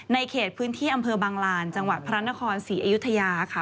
เขตพื้นที่อำเภอบังลานจังหวัดพระนครศรีอยุธยาค่ะ